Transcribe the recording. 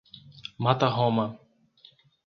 Mata Roma